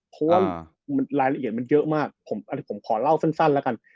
เพราะว่ารายละเอียดมันเยอะมากผมขอเล่าสั้นแล้วกัน